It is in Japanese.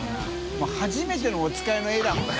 もう「はじめてのおつかい」の絵だもんね。